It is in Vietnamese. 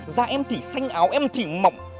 da em thì xanh áo em thì mỏng